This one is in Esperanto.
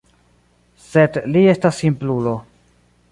Sed li estas simplulo.